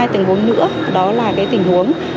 hai tình huống nữa đó là cái tình huống